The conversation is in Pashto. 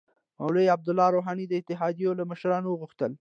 مولوی عبدالله روحاني د اتحادیو له مشرانو وغوښتل